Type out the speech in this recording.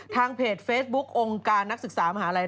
ทางเพจเฟซบุ๊คองค์การนักศึกษามหาลัย